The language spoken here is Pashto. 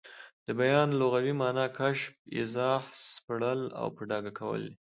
د بیان لغوي مانا کشف، ايضاح، سپړل او په ډاګه کول دي.